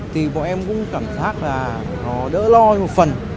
thì bọn em cũng cảm giác là nó đỡ lo một phần